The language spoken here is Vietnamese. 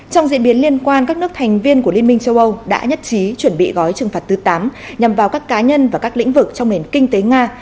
trong diễn biến liên quan các nước thành viên của liên minh châu âu đã nhất trí chuẩn bị gói trừng phạt thứ tám nhằm vào các cá nhân và các lĩnh vực trong nền kinh tế nga